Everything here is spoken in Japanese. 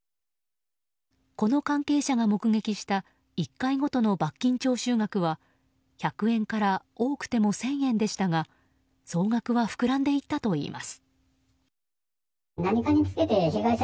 この関係者が目撃した１回ごとの罰金徴収額は１００円から多くても１０００円でしたが総額は膨らんでいったといいます。